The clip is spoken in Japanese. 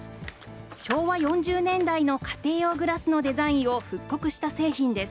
昭和４０年代の家庭用グラスのデザインを復刻した製品です。